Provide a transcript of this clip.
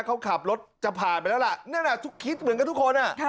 เขาขับรถจะผ่านไปแล้วล่ะนั่นแหละทุกคิดเหมือนกันทุกคน